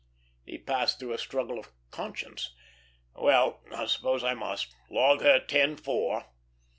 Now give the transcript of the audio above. He passed through a struggle of conscience. "Well, I suppose I must; log her ten four."